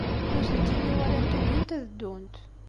Nutenti mi walant ugint ad ddunt.